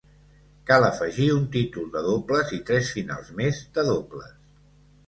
Cal afegir un títol de dobles i tres finals més de dobles.